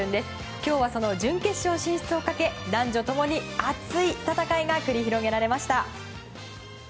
今日はその準決勝進出をかけ男女ともに熱い戦いが繰り広げられました。